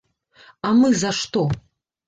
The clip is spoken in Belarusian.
А мы за што?